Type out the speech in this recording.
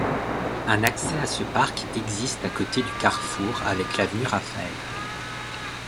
Un accès à ce parc existe à côté du carrefour avec l'avenue Raphaël.